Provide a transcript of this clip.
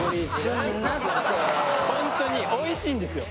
ほんとにおいしいんですよ。